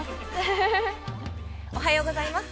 ◆おはようございます。